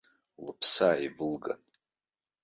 Лыԥсы ааивылган.